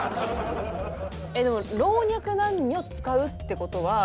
でも老若男女使うって事は。